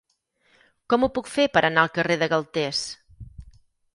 Com ho puc fer per anar al carrer de Galtés?